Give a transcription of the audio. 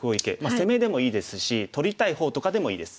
攻めでもいいですし取りたい方とかでもいいです。